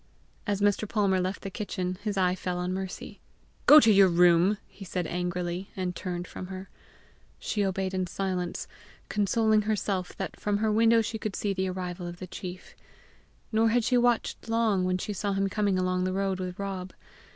As Mr. Palmer left the kitchen, his eye fell on Mercy. "Go to your room," he said angrily, and turned from her. She obeyed in silence, consoling herself that from her window she could see the arrival of the chief. Nor had she watched long when she saw him coming along the road with Rob.